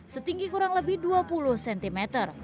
setinggi kurang lebih dua puluh cm